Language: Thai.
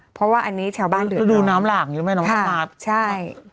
เพราะว่าอันนี้เฉาบ้านเดือนถ้าดูน้ำหลั่งเหมือนไหมทำรักใช่